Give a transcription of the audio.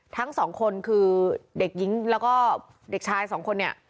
ทั้งสองคนคือเด็กหญิงแล้วก็เด็กชายสองคนเนี่ย